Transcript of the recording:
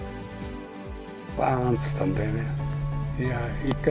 ばーんっていったんだよね。